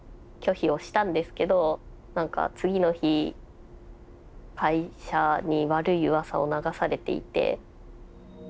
拒否をしたんですけど何か次の日会社に悪い噂を流されていて。